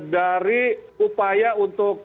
dari upaya untuk